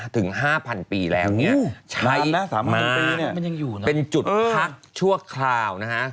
๓ถึง๕๐๐๐ปีแล้วเนี่ยใช้มาเป็นจุดพักชั่วคราวนะฮะ